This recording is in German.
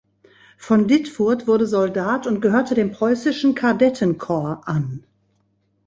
Von Ditfurth wurde Soldat und gehörte dem preußischen Kadettenkorps an.